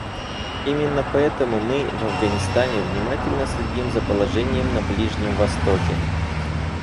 Именно поэтому мы, в Афганистане, внимательно следим за положением на Ближнем Востоке.